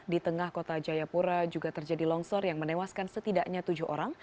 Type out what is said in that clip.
di tengah kota jayapura juga terjadi longsor yang menewaskan setidaknya tujuh orang